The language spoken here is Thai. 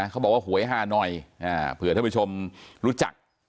เขาบอกว่าหวยฮาหน่อยเผื่อท่านผู้ชมรู้จัก